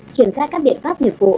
triển khai các biện pháp nghiệp vụ